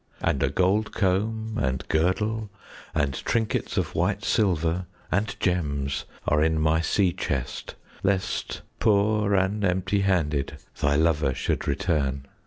5 And a gold comb, and girdle, And trinkets of white silver, And gems are in my sea chest, Lest poor and empty handed Thy lover should return.